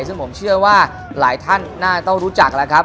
ซึ่งผมเชื่อว่าหลายท่านน่าจะต้องรู้จักแล้วครับ